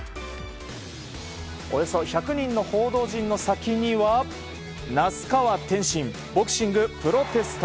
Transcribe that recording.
およそ１００人の報道陣の先には那須川天心ボクシングプロテスト。